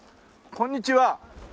こんにちは。